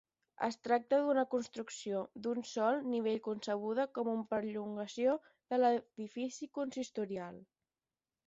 Es tracta d'una construcció d'un sol nivell concebuda com una perllongació de l'edifici consistorial.